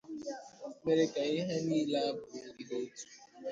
mere ka ihe niile a bụrụ ihe ụtọ."